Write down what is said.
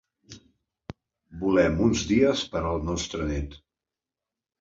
Volem uns dies per al nostre net.